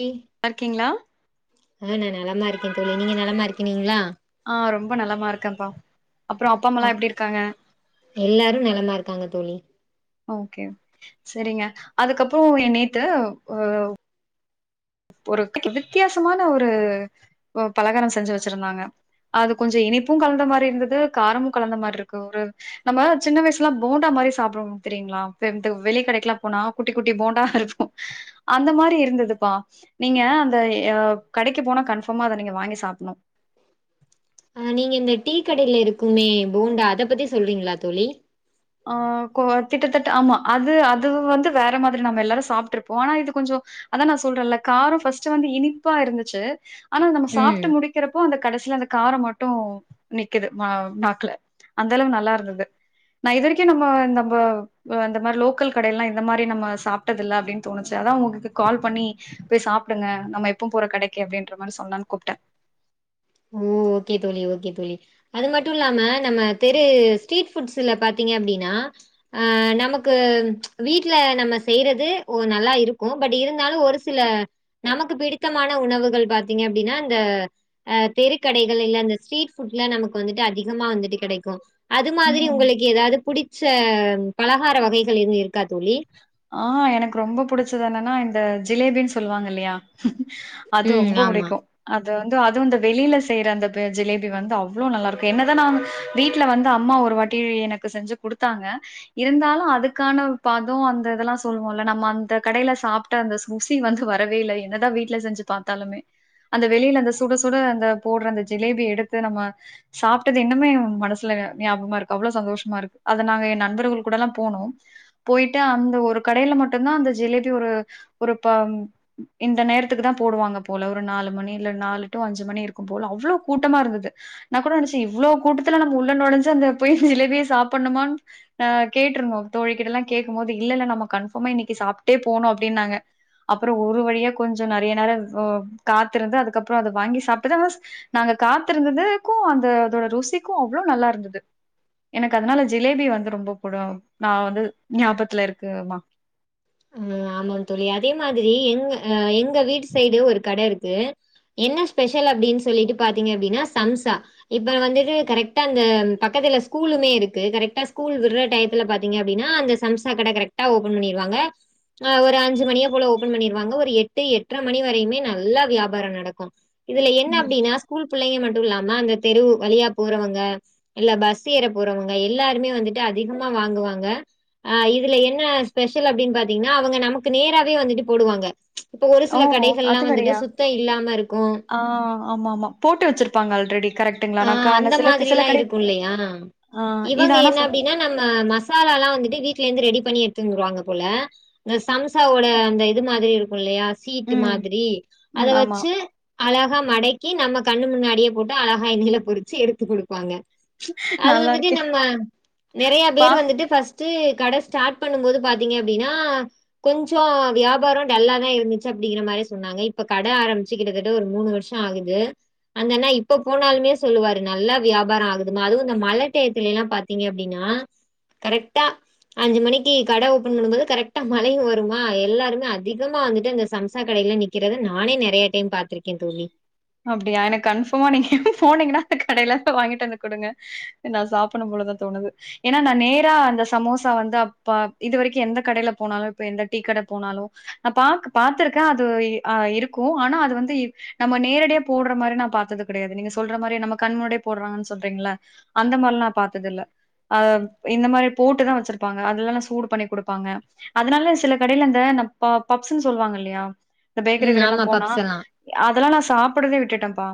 ழி அருக்கீங்ளா ஆ நா நலமா இருக்கேந் தோழி நீங்க நலமா இருக்கினீங்ளா ஆ ரொம்ப நலமா இருக்கேன்ப்பா அப்புறம் அப்பா அ அம்மாலா எப்டி இருக்காங்க எல்லாரு நலமா இருக்காங்க தோழி ஓகே சரிங்க அதுக்கப்றொ எ நேத்து ஓ ஒரு வித்தியாசமான ஒரு வ பலகாரொ செஞ்சு வெச்சிருந்தாங்க அது கொஞ்சொ இனிப்புங் கலந்த மாரி இருந்துது காரமு கலந்த மார்றுக்கு ஒரு நம்ம சின்ன வயசுல்லா போண்டா ம மாரி சாப்டுவோ தெரியுங்ளா [unintelligible] வெளி கடைக்குல்லா போனா குட்டிக் குட்டி போண்டா இருக்கு அந்த மாரி இருந் துதுப்பா நீங்க அந்த யா கடக்கிப் போனா கன்ஃபாமா அத நீங்க வாங்கி சாப்புண்ணு ஆ நீங்க இந்த டீ கடைல இருக்குமே போண்டா அதப் பத்தி சொல்றீங்ளா தோழி ஆ கொ கிட்டத்தட்ட ஆமா அது அது வந்து வேற மாதிரி நம்ம எல்லாரு சாப்ட்ருப்போ ஆனா இது கொஞ்சொ அதா நா சொல்றன்ல காரொ ஃபஸ்ட்டு வந்து இனிப்பா இருந்துச்சு ஆனா நம்ம ம் சாப்ட்டு முடிக்கெறப்போ அந்தக் கடசீல அந்த காரம் மட்டு நிக்கிது மா நாக்ல அந்தளவு நல்லா இருந்துது நா இது வரைக்கு நம்ம நம்பொ வ இந்த மாரி லோக்கல் கடையெல்லா இந்த மாரி நம்ம சாப்ட்டதில்ல அப்டின் தோணுச்சி அதா உங் ங்கக்கு கால் பண்ணி பொய் சாப்டுங்க நம்ம எப்பவ்ம் போற கடக்கி அப்டின்ற மாரி சொல்லான் கூப்ட்ட [inaudible] ஓ ஓகே தோழி ஓகே தோழி அது மட்டு இல்லாம நம்ம தெரு ஸ்ட்ரீட் ஃபுட்ஸுல பாத்தீ ங்க அப்டின்னா ஆ நமக்கு வீட்ல நம்ம செய்றது ஒ நல்லா இருக்கு பட் இருந்தாலு ஒரு சில நமக்கு பிடித்தமான உணவுகள் பாத்தீங்க அப்டின்னா இந்த அ தெருக்கடைகள் இல்ல அந்த ஸ்ட்ரீட் ஃபுட்லா நமக்கு வந்துட்டு அதிகமா வந்துட்டு கெடைக்கு அது மாதிரி ம் உங்களுக்கு எதாவ்து புடிச்ச பலஹார வகைகள் எதுவு இருக் ஆ எனக்கு ரொம்ப புடிச்சது என்னன்னா இந்த ஜிலேபின் சொல்வாங்க இல்லையா அது ம் ரொம்ப ஆமா புடிக்கு து வந்து அதுவு வந்து வெளியில செய்ற அந்த ப ஜிலேபி வந்து அவ்ளோ நல்லா இருக்கு என்னதா நாம் வீட்ல வந்து அம்மா ஒரு வாட்டி எனக்கு செஞ்சு குடுத்தாங்க இருந்தாலு அதுக்கான பதோ அந்த இதெல்லா சொல்லுவோல்ல நம்ம அந்த கடைல சாப்ட்ட அந்த சு ருசி வந்து வரவே இல்ல என்னதா வீட்ல செஞ்சு பாத்தாலுமே அந்த வெளியில அந்த சுட சுட அந்த போட்ற அந்த ஜிலேபி எடுத்து நம்ம சாப்ட்டது இன்னம்மே மனசுல அ ஞாபமா இருக்கு அவ்ளோ சந்தோஷமா இருக்கு அத நாங்க என் நண்பர்கள் கூடல்லா போனோ போயிட்டு அந்த ஒரு கடைல மட்டுந்தா அந்த ஜிலேபி ஒரு ஒரு ப இந்த நேரத்துக்குதா போ போடுவாங்க போல ஒரு நாலு மணி இல்ல நாலு டு அஞ்சு மணி இருக்கும் போல அவ்ளோ கூட்டமா இருந்துது நாக்கூட நெனச்ச இவ் ளோ கூட்டத்துல நம்ம உள்ள நொழஞ்சு அந்த போய் ஜிலேபிய சாப்பண்ணுமான் நா கேட்ருந்தோ தோழிகள் கிட்டல்லா கேக்கும் போது இல்லல்ல நம்ம கன்ஃபாமா இன்னைக்கி சாப்ட்டே போணு அப்டின்னாங்க அப்றோ ஒரு வழியா கொஞ்சொ நெறைய நேரொ ஓ காத்திருந்து அதுக்கப்றோ அத வாங்கி சாப்ட்டுதா ஸ் நாங்க காத்திருந்ததுக்கு அந்த அதோட ருசிக்கு அவ்ளோ நல்லா இருந்துது எனக்கு அதுனால ஜிலேபி வந்து ரொம்ப புடொ நா வந்து ஞாபத்துல இருக்கு மா ஆ ஆமாங் தோழி அதே மாதிரி எங்க அ எங்க வீட்டு சைடு ஒரு கட இருக்கு என்ன ஸ்பெஷல் அப்டின் சொல்லிட்டு பாத்தீங்க அப்டின்னா சம்சா இப்ப வந்துட்டு கரெக்ட்டா அந்த பக்கத் துல ஸ்கூலுமே இருக்கு கரெக்ட்டா ஸ்கூல் விர்ற டயத்துல பாத்தீங்க அப்டினா அந்த சம்சா கட கரக்ட்டா ஓப்பன் பண்ணிருவாங்க ஆ ஒரு அஞ்சு மணிய போல ஓப்பன் பண்ணிருவாங்க ஒரு எட்டு எட்ர மணி வரையுமே நல்லா வியாபாரொ நடக்கு இதுல என்ன ம். அப்டினா ஸ்கூல் புள்ளைங்க மட் டு இல்லாமா அந்த தெரு வழியா போறவங்க இல்ல பஸ்ஸு ஏற போறவங்க எல்லாருமே வந்துட்டு அதிகமா வாங்குவாங்க அ இதுல என்ன ஸ்பெஷல் அப்டின் பாத் தீங்னா அவங்க நமக்கு நேராவே வந்துட்டு போடுவாங்க இப்ப ஒரு ஓ! சில கடைகள்லா அது வந்துட்டு வேறையா? சுத்தொ இல்லாம இருக்கு ஆ ஆமாமா. போட்டு வச்சிருப்பாங்க ஆல்ரெடி கரெக்ட்டுங்களா? ஆ நான் காண அந்த சில சில மாதிரியெல்லா கடை இருக்கு இல்லையா ஆ இது இவங்க ஆனா என்ன ஃப அப்டினா நம்ம மசாலாலா வந்துட்டு வீட்லேந்துரெ ரெடி பண்ணி எர்த்து வந்துருவாங்க போல சம்சாவோட அந்த இது மாதுரி இருக்கு இல்லயா சீட்டு ம், மாதுரி அத ம். ஆமா. வச்சு அழகா மடக்கி நம்ம கண்ணு முன்னாடியே போட்டு அழகா அய்ணீல பொறுச்சி எடுத்து குடுப்பாங்க அது நல்லா வந்துட்டு இருக்கே. நம்ம நெறயா பா பேரு வந்துட்டு ஃபஸ்ட்டு கட ஸ்டாட் பண்ணும்போது பாத்தீங்க அப்டினா கொஞ்ச வியாபாரோ டல்லா தா இருந்துச்சு அப்டிங்கிற மாரி சொன்னாங்க இப்ப கட ஆரம்ச்சி கிட்டத்தட்ட ஒரு மூணு வருஷோ ஆகுது அந்தன்னா இப்பப் போனாலுமே சொல்லுவாரு நல்லா வியாபார ஆகுதுமா அதுவு இந்த மழ டயத்துல எல்லா பாத்தீங்க அப்டினா கரெக்டா அஞ்சு மணிக்கி கட ஓபன் பண்ணும்போது கரெக்டா மழையு வருமா எல்லாருமே அதிகமா வந்துட்டு அந்த சம்சா கடய இல்ல நிக்கிறது நானே நெறயா டைம் பாத்ருக்கே தோழி அப்டியா எனக்கு கன்பஃமா நீங்க போனிங்கனா அந் கடைலேந்து வாங்கிட் வந்து குடுங்க நா சாப்புட்னுபோ வ்ல தா தோணுது ஏன்னா நா நேரா அந்த சமோசா வந்து அப்ப இது வரிக்கு எந்த கடைல போனாலு இப்ப எந்த டி ஈ கட போனாலு ந பாக்கு பாத்துருக்க அது வொ இ அ இருக்கு அனா அது வந்து இர் நம்ம நேரட் அப்டியே போட்ற மாரி நா பாத்தது கடையாது நீங்க சொல்ற மாரி நம்ம கண்முன்னடே போட்றாங்கன் சொல்றீங்ள அந்த மார்லா பாத்தது இல்ல அ இந்த மாரி போட்டுதா வச்சிருப்பாங்க அதுலலா சூடு பண்ணி குடுப்பாங்க அதுனால சில கடைலந்த ன்ன ப பப்ஸுன் சொல்லுவாங்கலயா இந்த பேக்கரி ம் கடயெல்லா ஆமா போனா பப்ஸ் எல்லா அதலா நா சாப் ப்புரதே விட்டுட்டம்பா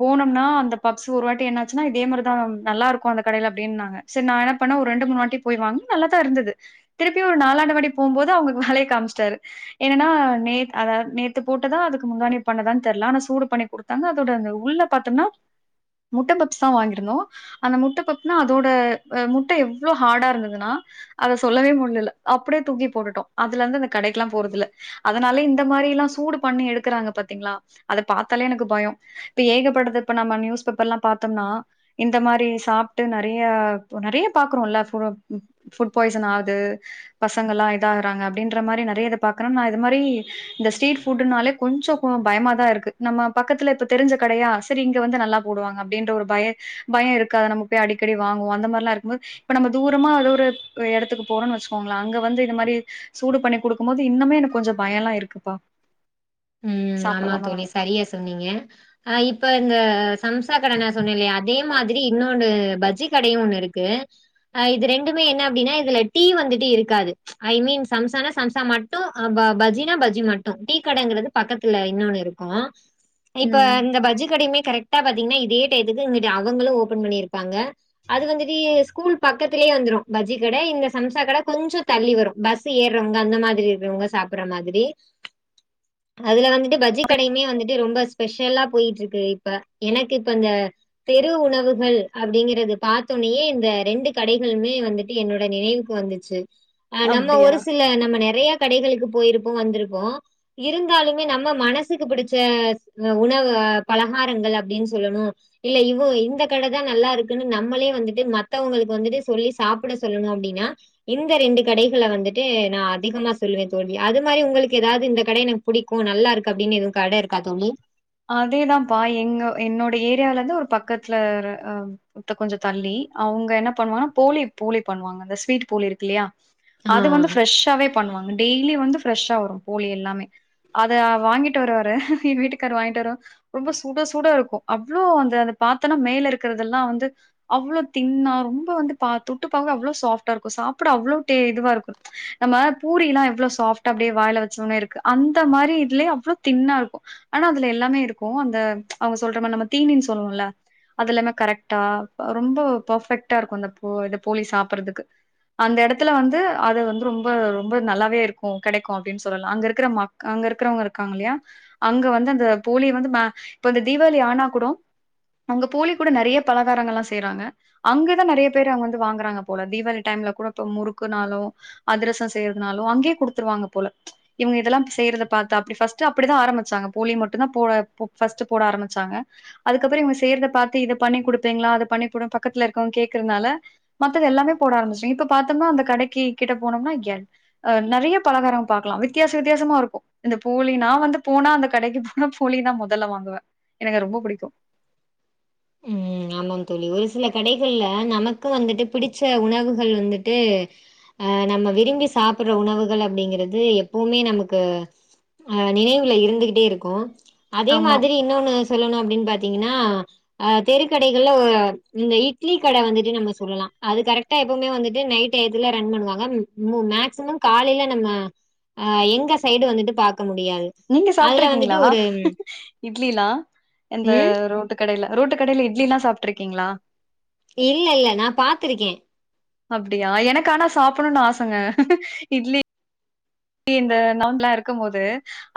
போனம்னா அந்த பப்ஸ் ஒரு வாட்டி என்னாச்சுனா இதே மரிதா நல்லாருக்கு அந்த கடைல அப்டின் ன்னாங்க செர் நா என்ன பண்ண ஒர் ரெண்டு மூண் வாட்டி போய் வாங்க நல்லா தா இருந்துது திருப்பி ஒரு நாலாடு வாட்டி போம் போது அவுங்க ஹலே காம்ச்ட்டாரு என்னனா நேத் அதாத் நேத்து போட்டதா அதுக்கு முந்தா நே பண்ணதான் தெர்ல ஆனா சூடு பண்ணி குடுத்தாங்க அதோட அந்த உள்ள பாத்தம்னா முட்ட பப்ஸ் தா வாங்கிருந்தோ அந்த முட்ட பப்னா அதோட முட்ட எவ்ளோ ஹாடா இருந்ததுனா அதை சொல்லவே முல்லல அப்புடே தூக்கி போட்டுட்டோ அதுலந்து அந்த கடைக்ல்லா போறதுல்ல அதனாலே இந்த மார் ஆர்லா சூடு பண்ணி எடுக்குறாங்க பாத்தீங்ளா அத பாத்தாலே எனக்கு பயொ இப்ப ஏகப்படற இப்ப நம்ம் நியுஸ் பேப்பர்லா பாத்தம்னா இந்த மாரி சாப்ட்டு நறிய நெறைய பாக்றோல்ல ஃபுர ஃபுட் பாய்சன் ஆது பசங்கல்லா இதாகுறா அப்பின்ற மாரி நெறயத பாக்ரோ நா இது மாரி இந்த ஸ்டீட் ஃபுட்டுனாலே கொஞ்சொ கொ பயமா தா இருக்கு நம்ம பக்கத்துல இப்ப தெரிஞ்ச கடயா செரி இங்க வந்து நல்லா போடுவாங்க அப்டின்ற ஒரு பய பயொ இருக்காது நம்ம போய் அடி கெடி வாங்குவோ அந்த மார்லா இருக்குமோது இப்ப நம்ம தூரமா ஏர ஒ எடத்துக்கு போறோன் வச்சுக்கோங்ளா அங்க வந்து இத மாரி சூடு பண்ணி குடுக்குமோது இன்னமே எனக் கொஞ்ச பயலா இருக்குப்பா ம் ஆமா சாப்பலாமா? தோழி சரியஸ் தொன்னீங்க அ இப்ப அந்த சம்சா கட நா சொன்னல்யா அதே மாதிரி இன்னோனு பஜ்ஜி கடயு ஒன்னு இருக்கு அ இது ரெண்டுமே என்ன அப்டினா இதுல டீ வந்துட்டு இருக்காது ஐ மீன் சம்ஸ் சன சம்சா மட்டுஅ ப பஜினா பஜ்ஜி மட்டு டீ கடங்றது பக்கத்துல இன்னோனு இருக்கு இப்ப ம். இந்த பஜ்ஜி கடைமே கரெக்டா பாத்தீங்ன்னா இதே டையத்துக்கு இங்குட்டு அவங்ளு ஓபன் பண்ணிருப்பாங்க அது வந்துட்டு ஸ்கூல் பக்கத்துலே ஏ வந்துரு பஜ்ஜி கட இங்க சம்சா கட கொஞ்சொ தள்ளி வரு பஸ்ஸு ஏற்றவுங்க அந்த மாதிரி இருக்குறவுங்க சாப்புற்ற மாதி துரி அதுல வந்துட்டு பஜ்ஜி கடயுமே வந்துட்டு ரொம்ப ஸ்பெஷல்லா போயிட்ருக்கு இப்ப எனக்கு இப்ப இந்த தெரு உணவுகள் அப்புடிங்கிறது பாத்தொனயே இந்த ரெண்டு கடைகளுமே வந்துட்டு என்னோட நினைவுக்கு வந்துச்சு அ நம்ம அப்டியா? ஒரு சில நம்ம நெறைய கடைகளுக்கு போயிருப்போ வந்துருப்போ இருந்தாலுமே நம்ம மனசுக்கு பிடிச்ச உணவ பலகாரங்கள் அப்டின் சொல்லணு இல்ல இவோ இந்த கடைதா நல்லாருக் நம்மளே வந்துட்டு மத்தவுங்களுக்கு வந்துட்டு சொல்லி சாப்புட சொல்லணு அப்டினா இந்த ரெண்டு கடைகள வந்து நா அதிகமா சொல்லுவே தோழி அது மாரி உங்களுக்கு ஏதாது இந்த கட எனக் புடிக்கு நல்லாருக்கு அப்டின் எதுவு கட இருக்கா தோழி அதேதாம்ப்பா எங்க என்னோட ஏரியாலேந்து ஒரு பக்கத்ல ரெ அ உத்த கொஞ்ச தள்ளி அவுங்க என்ன பண்ணுவாங்னா போளி போளி பண்ணுவாங் அந்த ஸ்வீட் போளி இருக்கு இல்லி யா ஆ. அது வந்து ஃப்ரெஷ்ஷாவே பண்ணுவாங்க டெய்லி வந்து ஃப்ரெஷ்ஷா வரும் போளி எல்லாமே அத வாங்கிட்டு வருவாரு எ வீட்டுக் க்காரு வாங்கிட்டு வ ரொம்ப சுட சுட இருக்கு அவ்வளோ அந்த பாத்தனா மேல இருக்கறதெல்லா வந்து அப் அவ்ளோ தின்னா ரொம்ப வந்து பா தொட்டு பாக்க அவ்ளோ சாப்டா இருக்கு சாப்பிட அவ்ளவு டே இதுவாருக்கு நம்ம ஆ பூரிலா எவ்ளோ சாஃப்டா அப்டியே வாயில வச்சோன்னே இருக்கு அந்த மாரி இதுயே அவ்ளோ தின்னா இருக்கு ஆனா அதுல எல்லாமே இருக்கு அந்த அவங்க சொல்ற மாரி நம்ம தீனின்னு சொல்வோம்ல்ல அது எல்லாமே கரெக்ட்டா ரொம்ப பர்ஃபெக்ட்டா இருக்கு அந்த போ போலி சாப்பறதுக்கு அந்த எடத்துல வந்து அது வந்து ரொம்ப ரொம்ப நல்லாவே இருக்கு கெடைக்கு அப்டின் சொல்லலா அங்கருக்கிற மக் ஆ அங்க இருக்கிறவங்க இருக்காங்க இல்லையா அங்க வந்து அந்த போலி வந்து ம இப்ப இந்த தீபாவளி ஆனா கூடோ அங்க போலி கூட நெறைய பலகாரங்கள்லா செய்றாங்க அங்கதா நெறைய பேரரு அவங்க வந்து வாங்குறாங்க போல தீபாவளி டைம் ம்ல கூட இப்ப முறுக்குனாலு அதிரசம் செய்யறதுனாலு அங்கே குடுத்துருவாங்க போல இவங்க இதெல்லா செய்யறது ப பாத்தா அப்டி பஷ்ட்டு அப்படிதா ஆரம்பிச்சாங்க போலி மட்டுந்தா போ போ ஃபஷ்ட்டு போட ஆரம்பிச்சாங்க அதுக்கப்புற இவங்க செய்ரத பாத்து இத பண்ணி குடுப்பீங்களா அத ப பண்ணிகுடு பக்கத்துல இருக்கரவங்க கேக்குறதுனால மத்த எல்லாமே போட ஆரம்பிச்ச இப்ப பாத்தோம்னா அந்த கடைக்கி கிட்ட போனோம்னா ய ஆ நெறைய பலகார பாக்கலா வித்தியாச வித்தியாசமா இருக்கு இந்த போலி நா வந்து போனா அந்த கடைக்கு போன போலி தா மொதல்ல வாங்குவே எனக்கு அது ரொம்ப புடிக்கு ம் ஆமாம் தோழி ஒரு சில கடைகள்ல நமக்கு வந்துட்டு பிடிச்ச உணவுகள் வந்துட்டு அ நம்ம விரும்பி சாப்பிற உணவுகள் அப்டிங்கறது எப்பவுமே நமக்கு ஆ நினைவுல இருந்துகிட்டே இருக்கு அதே ஆமா மாதிரி இன்னொன்னு சொல்லணு அப்படின் பாத்தீங்கன்னா தெருக்கடைகள்ல இந்த இட்லி கட வந்துட்டு நம்ம சொல்லலா அது கரெக்டா எப்பவுமே வந்துட்டு நைட் இதுல ரன் பண்ணுவாங்க மு மேக்சிமம் காலையில நம்ம எங்க ஆ சைடு வந்துட்டு பாக் நீங்க சாப்ட்ருக்கீங்களா இட்லிலா எந்த ம் ரோட்டு கடையில ரோட்டு கடயில இட்லில்லா சாப்ட்ருக்கீங்களா இல்ல இல்ல நா பாத்திருக்கே அப்டியா எனக்க ஆனா சாப்படணும்னு ஆசைங்க இட்லி டி இந்த நலாம் இருக்கும் போது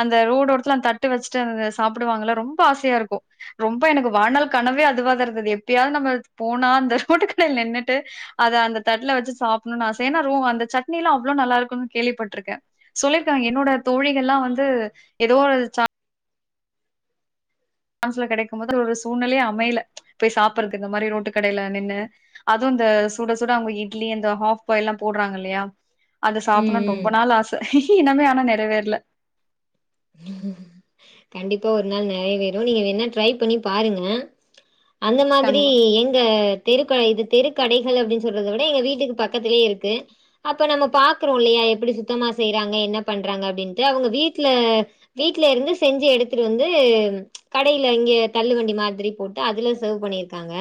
அந்த ரோடோடத்துல தட்டு வச்சிட்டு அந்த சாப்டுவாங்கல்லா ரொம்ப ஆச சையா இருக்கு ரொம்ப எனக்கு வாழ்நாள் கனவே அதுவாதா இருந்தது எப்டியாவது நம்ம போனா அந்த ரோட்டு கடையில நின்னு ட்டு அத அந்த தட்டுல வச்சு சாப்பணும்னு ஆச என்னா ரோ அந்த சட்னில்லா அவ்வளோ நல்லாருக்கும்னு கேள்விப்பட்ருக்கே சொல்லிருக்காங்க என்னோட தோழிகள்ல்லா வந்து ஏதோ ஒரு ச [unintelligible] கெடைக்கும் போது ஒரு சூழ்நிலையே அமையல போய் சாப்பறக்கு இந்த மாரி ரோட்டு கடையில நின்னு அதுவு இந்த சூட சூட அவங்க இட்லி அந்த ஹாஃப் பாயில்லா போடுறாங்கல்லையா அது ம் சாப்பணும்ன்னு ம் ரொம்ப நாள் ஆச இனமே ஆனா நெறவேறல ம் கண்டிப்பா ஒரு நாள் நெறை வேறு நீங்க வேனா ட்ரை பண்ணி பாருங்க அந்த மாதிரி கனவு. எங்க தெருக்க இது தெருக்கடைகள் அப்படின்னு சொல்றத விட எங்க வீட்டுக்கு பக்கத்திலேயே இருக்கு அப்ப நம்ம பாக்குறோ இல்லையா எப்படி சுத்தமா செய்றாங்க என்ன பண்றாங்க அப்படின்ட்டு அவங்க வீட்ல வீட்ல இருந்து செஞ்சு எடுத்துட்டு வந்து கடைல இங்க தள்ளு வண்டி மாதிரி போட்டு அதுல பண்ணியிருக்காங்க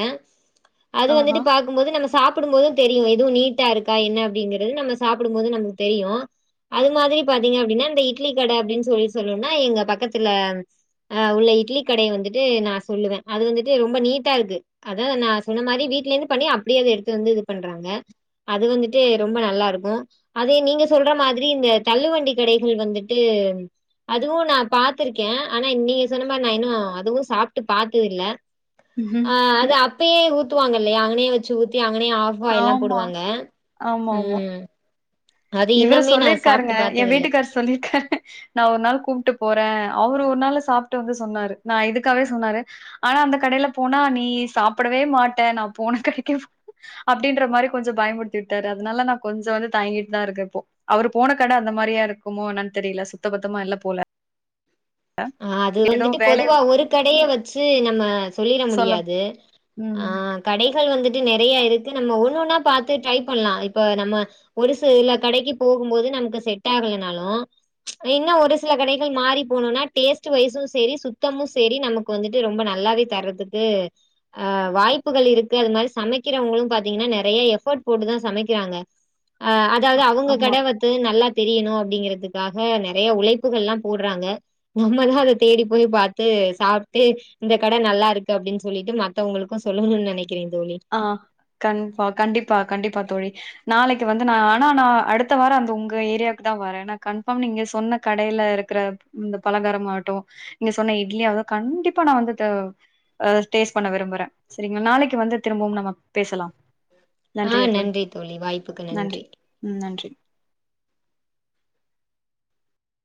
அது ஆஹா. வந்துட்டு பாக்கும்போது நம்ம சாப்ட் சாப்பிடும் போது தெரியு எது நீட்டா இருக்கா என்ன அப்படிங்கிறது நம்ம சாப்டும் போது நமக்கு தெரியு அது மாதிரி பாத்தீங்க அப்படின்னா இந்த இட்லி கட அப்படின்னு சொல்லி சொல்னும்னா எங்க பக்கத்துல ஆ உள்ள இட்லி கடைய வந்துட்டு நா சொல்லுவே அது வந்துட்டு ரொம்ப நீட்டா இருக்கு அதா நா சொன்ன மாரி வீ ட்லருந்து பண்ணி அப்டியே எடுத்துட்டு வந்து இது பண்றாங்க அது வந்துட்டு ரொம்ப நல்லாருக்கு அதே நீங்க சொ சொல்ற மாதிரி இந்த தள்ளு வண்டி கடைகள் வந்துட்டு அதுவு நா பாத்திருக்கே ஆனா நீங்க சொன்ன மாரி நா இன்னு அதுவு சாப்ட்டு பாத்ததில்ல ம்ஹ்ம். ஆ அது அப்பையே ஊத்துவாங்க இல்லையே அகனே வச்சு ஊத்தி அங் அகுனயே ஆப்பாய்ல்லா ஆமா. போடுவாங்க ம் அது இவர இன்னுமே நா சாப்ட்டு சொல்லிருக்காருங்க ஏ பாத்ததில்ல வீட்டுக்கார் சொல்லிருக்கார் நா ஒரு நாள் கூப்ட்டு போறே அவரு ஒரு நாள சாப்ட்டு வந்து சொன்னாரு நா இதுக்காகே சொன்னாரு ஆனா அந்த கடய்ல போனா நீ சாப்படவே மாட்டா நா போன கடைக்கே அப்டின்ற மாரி கொஞ்ச பய பயமுடித்தி விட்டாரு அதுனால நா கொஞ்சோ வந்து தயங்கி தா இருக்கே இப்போ அவரு போன கட அந்த மாரியா இருக்குமோ என்னமோ தெரியல சுத்த பத்தமா இல்ல போல ஆ அது ஏதோ வந்துட்டு வேலை பொதுவா ஒரு கடைய வச்சு நம்ம சொல்லிட சொல்ல முடியாது ஆ ம் கடைகள் வந்துட்டு நிறைய இருக்கு நம்ம ஒண்ணு ஒன்னா பாத்து ட்ரை பண்லா இப்ப நம்ம ஒரு சில கடைக்கு போ கும் போது நமக்கு செட் ஆகலனாலு இன்னு ஒரு சில கடைகள் மாறி போனுனா டேஸ்ட் வயிசு செரி சுத்தமு செரி நமக்கு வந்துட்டு ரொம்ப நல்லாவே தரதுக்கு ஆ வாய் வாய்ப்புகள் இருக்கு அது மாரி சமைக்கிறவங்களு பாத்தீங்கன்னா நறைய எஃபர்ட் போட்டுதா சமைக்கிறாங்க அ அதாவது அவுங்க ஆமா. கட வத்து நல்லா தெரியணு அப்டிங்கறதுக்காக நிறைய உழைப்புகள்ல்லா போட்றாங்க நம்மதா அத தேடி போய் பாத்து சாப்ட்டு இந்த கட நல்லா இருக்கு அப்டின்னு சொல்லிட்டு மத்தவங்களுக்கு சொ லுனு நெனை ஆ கன்ஃபா கண்டிப்பா கண்டிப்பா தோழி நாளைக் வந்து ஆனா நா அடுத்த வார அந்த உங்க ஏரியாவுக்கு தா வரே கன்ஃபார்ம் நீங்க சொன்ன கடைல இருக்குற இந்த பலகாரமாவட்டு நீங்க சொன்ன இட்லியாவது கண்டிப்பா நா வந்து அ டேஸ்ட் பண்ண விரும்புறே செரிங்க நாளைக்கு வந்து திரும்பவும் நம்ம பேசலா ஆ நன்றிக தோழி நன்றி வாய்ப்புக்கு நன்றி ம் நன்றி